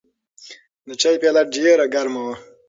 د چای پیاله ډېره ګرمه وه.